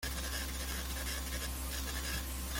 张凤翙人。